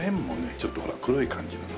ちょっとほら黒い感じなの。